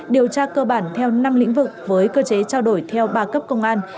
điều tra cơ bản theo năm lĩnh vực với cơ chế trao đổi theo ba cấp công an